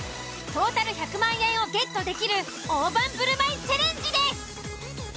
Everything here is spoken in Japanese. トータル１００万円をゲットできる大盤振る舞いチャレンジです。